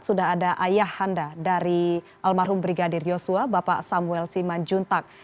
sudah ada ayah handa dari almarhum brigadir yosua bapak samuel siman juntak